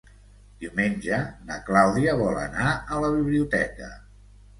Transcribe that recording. Diumenge na Clàudia vol anar a la biblioteca.